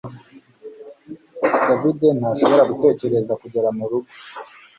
David ntashobora gutegereza kugera murugo